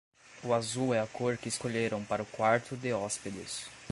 O azul é a cor que escolheram para o quarto de hóspedes.